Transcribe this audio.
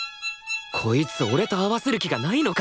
こいつ俺と合わせる気がないのか！？